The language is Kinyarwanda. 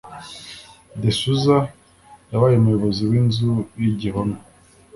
De Souza yabaye umuyobozi w'inzu y'igihome